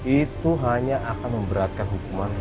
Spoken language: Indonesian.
itu hanya akan memberatkan hukuman